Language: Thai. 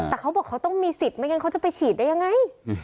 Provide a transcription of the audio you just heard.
แต่เขาบอกเขาต้องมีสิทธิ์ไม่งั้นเขาจะไปฉีดได้ยังไง